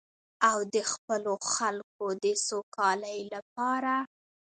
او د خپلو خلکو د سوکالۍ لپاره.